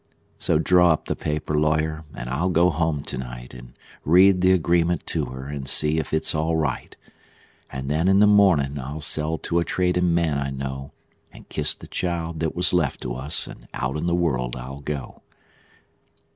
So draw up the paper, lawyer, and I'll go home to night, And read the agreement to her, and see if it's all right; And then, in the mornin', I'll sell to a tradin' man I know, And kiss the child that was left to us, and out in the world I'll go.